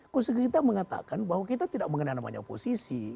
konsensus kita mengatakan bahwa kita tidak mengenai namanya oposisi